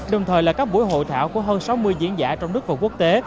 đồng thời là các buổi hội thảo của hơn sáu mươi diễn giả trong nước và quốc tế